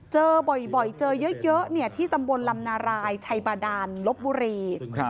เจอบ่อยเจอเยอะที่ตำบลลำนารายชัยบาดานลบบุรี